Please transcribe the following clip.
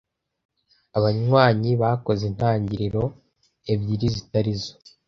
Abanywanyi bakoze intangiriro ebyiri zitari zo.